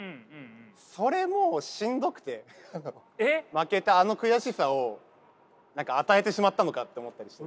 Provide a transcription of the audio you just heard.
負けたあの悔しさを与えてしまったのかって思ったりして。